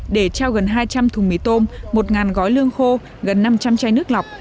để trao gần hai trăm linh thùng mì tôm một gói lương khô gần năm trăm linh chai nước lọc